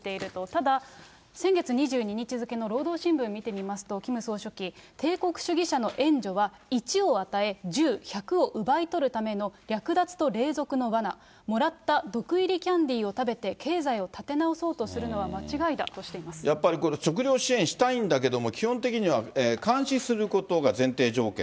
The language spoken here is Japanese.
ただ、先月２２日付の労働新聞見てみますと、キム総書記、帝国主義者の援助は１を与え、１０、１００を奪い取るための略奪と隷属のわな、もらった毒入りキャンディーを食べて、経済を立て直そうとするのは間違いだとしていまやっぱりこれ、食糧支援したいんだけれども、基本的には監視することが前提条件。